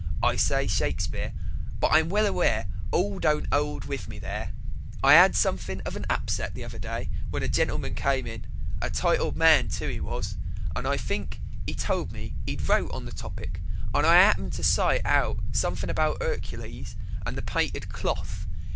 I say Shakespeare, but I'm well aware all don't 'old with me there I 'ad something of an upset the other day when a gentleman came in a titled man, too, he was, and I think he told me he'd wrote on the topic, and I 'appened to cite out something about 'Ercules and the painted cloth.